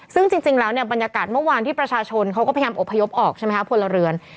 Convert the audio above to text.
ซึ่งจริงแล้วเนี่ยบรรยากาศเมื่อวานที่ประชาชนเขาก็พยายามอบพยพออกใช่ไหมครับพลเรือน